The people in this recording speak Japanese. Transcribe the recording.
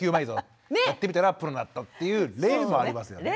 やってみたらプロになったっていう例もありますよね。